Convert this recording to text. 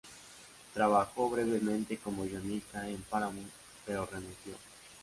Trabajó brevemente como guionista en Paramount, pero renunció.